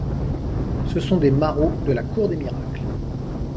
Ce sont des marauds de la Cour des Miracles.